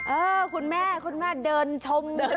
เออคุณแม่เดินชมรอบความเผ็ด